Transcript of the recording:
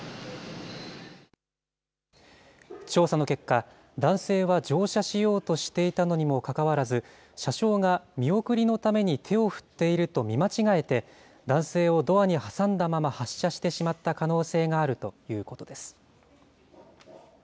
調査の結果、男性は乗車しようとしていたのにもかかわらず、車掌が見送りのために手を振っていると見間違えて、男性をドアに挟んだまま、発車してしまった可能性があるということです。